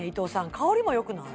香りもよくない？